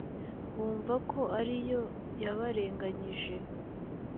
bumva ko ariyo yabarenganyije